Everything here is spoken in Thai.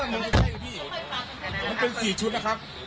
มันเป็นสี่ชุดนะครับ